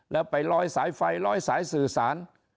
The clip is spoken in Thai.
แล้วไปลอยสายไฟลอยสายสื่อสาร